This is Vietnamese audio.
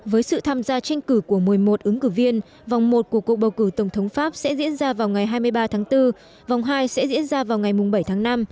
với sự tham gia tranh cử của một mươi một ứng cử viên vòng một của cuộc bầu cử tổng thống pháp sẽ diễn ra vào ngày hai mươi ba tháng bốn vòng hai sẽ diễn ra vào ngày bảy tháng năm